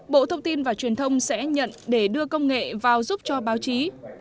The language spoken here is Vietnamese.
bộ thông tin và truyền thông sẽ nhận để đưa công nghệ vào giúp cho báo chí